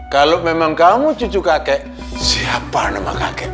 kalau memang kamu cucu kakek siapa nama kakek